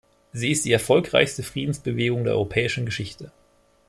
Sie ist die erfolgreichste Friedensbewegung der europäischen Geschichte.